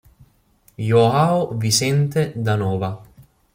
João Vicente da Nova